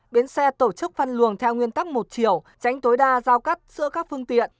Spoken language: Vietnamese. bến xe tổ chức phân luồng theo nguyên tắc một chiều tránh tối đa giao cắt giữa các phương tiện